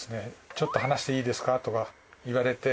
「ちょっと話していいですか？」とか言われて。